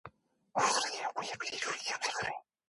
나는 그날 소리 내어 우는 언니의 뒤로 소리 없는 울음을 터뜨려야했다.